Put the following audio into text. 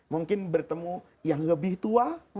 mungkin bertemu yang lebih tua